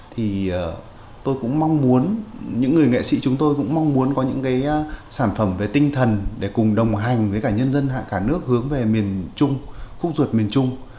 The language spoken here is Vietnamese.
thì tôi cũng mong muốn những người nghệ sĩ chúng tôi cũng mong muốn có những cái sản phẩm về tinh thần để cùng đồng hành với cả nhân dân cả nước hướng về miền trung khúc ruột miền trung